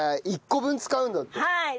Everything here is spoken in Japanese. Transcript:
１個分使うんだって。